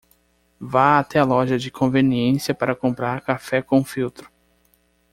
Vá até a loja de conveniência para comprar café com filtro